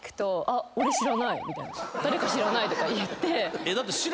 「誰か知らない」とか言って。